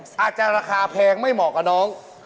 ถ้าจะราคาแพงไม่เหมาะกับน้อง